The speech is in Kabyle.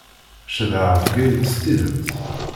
Cedhaɣ Bgayet s tidet.